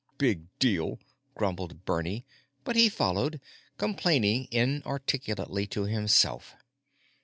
"Big deal," grumbled Bernie, but he followed, complaining inarticulately to himself.